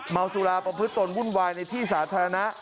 เมาสุราประพฤติตนวุ่นวายในที่สาธารณะ